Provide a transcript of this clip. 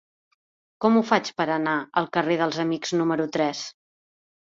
Com ho faig per anar al carrer dels Amics número tres?